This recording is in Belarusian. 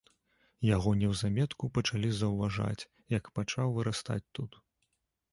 Яго неўзаметку пачалі заўважаць, як пачаў вырастаць тут.